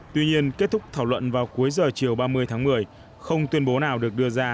tuy nhiên kết thúc thảo luận vào cuối giờ chiều ba mươi tháng một mươi không tuyên bố nào được đưa ra